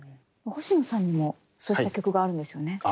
星野さんにもそうした曲があるんですよね？